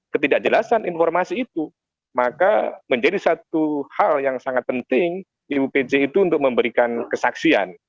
karena ketidakjelasan informasi itu maka menjadi satu hal yang sangat penting ibu pece itu untuk memberikan kesaksian